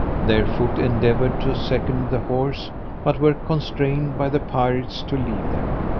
Their foot endeavoured to second the horse, but were constrained by the pirates to leave them.